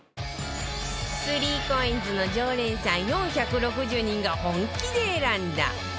３ＣＯＩＮＳ の常連さん４６０人が本気で選んだ